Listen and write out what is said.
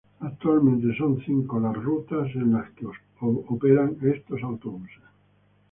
Actualmente, son cinco las rutas en las operan estos autobuses.